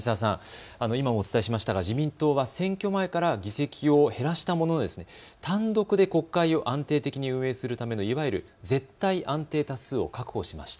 今もお伝えしましたが自民党は選挙前から議席を減らしたものの単独で国会を安定的に運営するためのいわゆる絶対安定多数を確保しました。